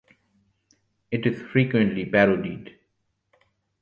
It is frequently parodied.